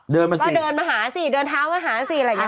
เดินมาหาสิเดินเท้ามาหาสิอะไรอย่างนี้